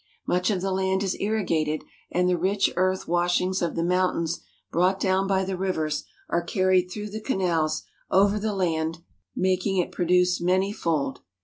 Much of the land is irrigated, and the rich earth washings of the mountains, brought down by the rivers, are carried through the canals over the land, making it produce many fold.